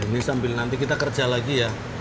ini sambil nanti kita kerja lagi ya